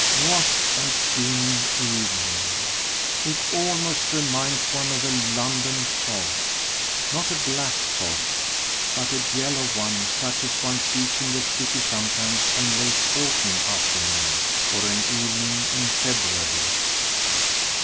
"What a dim evening! It almost reminds one of a London fog not a black fog, but a yellow one, such as one sees in the city sometimes on a late autumn afternoon or an evening in February."